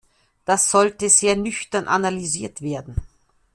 Das sollte sehr nüchtern analysiert werden.